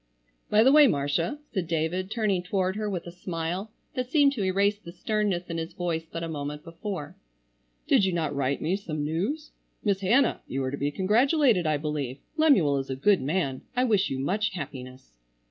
"By the way, Marcia," said David, turning toward her with a smile that seemed to erase the sternness in his voice but a moment before. "Did you not write me some news? Miss Hannah, you are to be congratulated I believe. Lemuel is a good man. I wish you much happiness."